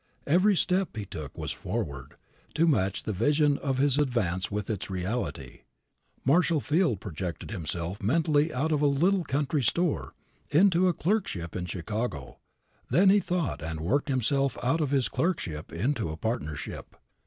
Every step he took was forward, to match the vision of his advance with its reality. Marshall Field projected himself mentally out of a little country store into a clerkship in Chicago. Then he thought and worked himself out of this clerkship into a partnership.